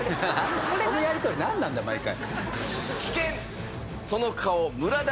このやり取りなんなんだよ毎回。